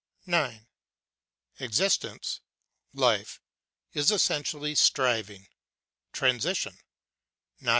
9. Existence (life) is essentially striving, transition; not for an No.